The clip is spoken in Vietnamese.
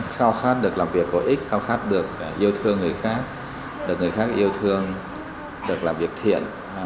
khao khát được làm việc có ích khao khát được yêu thương người khác được người khác yêu thương được làm việc thiện